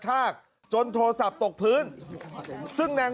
การนอนไม่จำเป็นต้องมีอะไรกัน